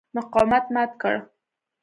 مقاومت مات کړ.